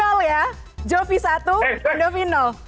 oke satu ya jovi satu andovi